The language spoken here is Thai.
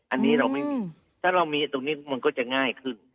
อันนี้เราไม่มีถ้าเรามีตรงนี้มันก็จะง่ายขึ้น